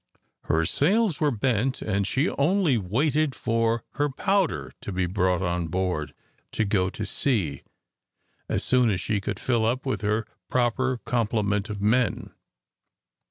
Her sails were bent, and she only waited for her powder to be brought on board to go to sea, as soon as she could fill up with her proper complement of men.